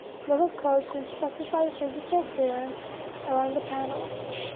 Local codes can specify physical clearance around the panels.